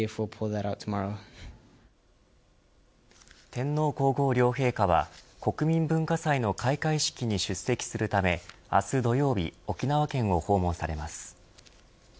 天皇皇后両陛下は国民文化祭の開会式に出席するため明日土曜日沖縄県を訪問されます。